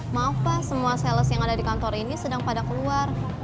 maaf pak semua sales yang ada di kantor ini sedang pada keluar